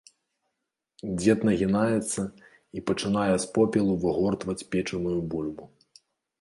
Дзед нагінаецца і пачынае з попелу выгортваць печаную бульбу.